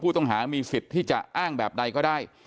ต้องมีสิทธิ์ที่จะอ้างแบบใดก็ได้